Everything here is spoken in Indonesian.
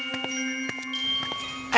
dia melihat sekeliling dan melihat sebuah taman